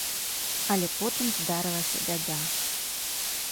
Але потым здарылася бяда.